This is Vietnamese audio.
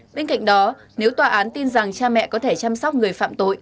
bên cạnh đó nếu tòa án tin rằng cha mẹ có thể chăm sóc người phạm tội